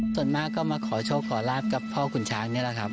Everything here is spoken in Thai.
ส่วนมากก็มาขอโชคขอลาบกับพ่อขุนช้างนี่แหละครับ